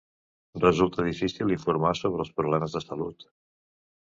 Resulta difícil informar sobre els problemes de salut.